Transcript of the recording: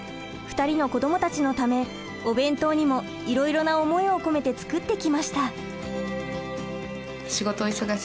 ２人の子どもたちのためお弁当にもいろいろな思いを込めて作ってきました。